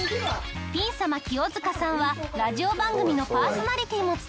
ピン様清塚さんはラジオ番組のパーソナリティーも務めていて。